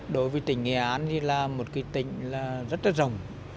đối với tỉnh nghệ án thì là một cái tỉnh là rất là rộng